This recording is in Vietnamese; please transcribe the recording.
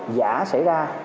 giả xảy ra